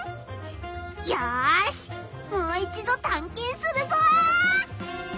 よしもう一度たんけんするぞ！